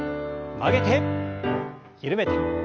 曲げて緩めて。